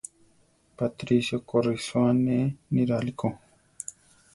Patricio ko risóa ané niráli ko.